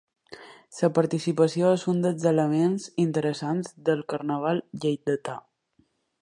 La participació és un dels elements interessants del carnaval lleidatà.